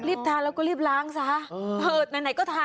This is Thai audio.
รีบทาแล้วก็รีบล้างซะ